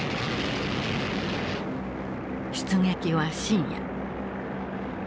出撃は深夜。